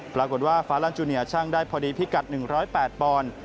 ปรากฏว่าฟ้าลันจูเนียช่างได้พอดีพิกัด๑๐๘ปอนด์